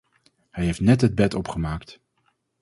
Hij heeft net het bed opgemaakt.